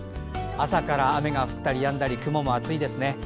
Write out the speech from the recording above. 朝から雨が降ったりやんだり雲も厚いですね。